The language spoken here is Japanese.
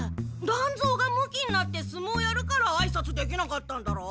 団蔵がムキになってすもうやるからあいさつできなかったんだろ？